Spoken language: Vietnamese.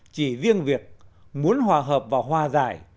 chỉ riêng việc muốn hòa hợp và hòa giải